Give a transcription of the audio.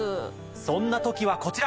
そんな時はこちら。